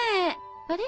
あれ？